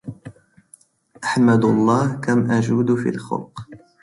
أحمد الله كم أجود في الخلق